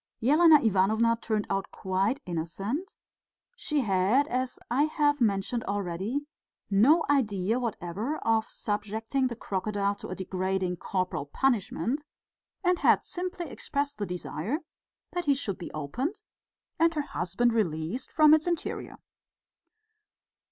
Elena Ivanovna turned out quite innocent; she had, as I have mentioned already, no idea whatever of subjecting the crocodile to a degrading corporal punishment, and had simply expressed the desire that he should be opened and her husband released from his interior.